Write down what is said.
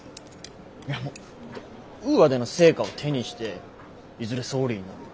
いやウーアでの成果を手にしていずれ総理になる。